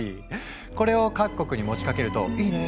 これを各国に持ちかけると「いいね！」